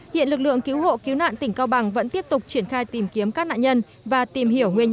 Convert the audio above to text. hiện lực lượng cứu hộ cứu nạn tỉnh cao bằng vẫn tiếp tục triển khai tìm kiếm các nạn nhân và tìm hiểu nguyên nhân